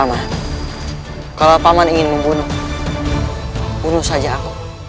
paman kalau paman ingin membunuh bunuh saja aku